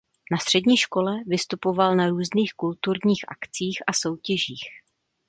Na střední škole vystupoval na různých kulturních akcích a soutěžích.